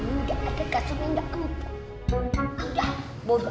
enggak ada kasurnya engkau